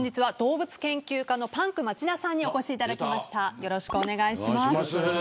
よろしくお願いします。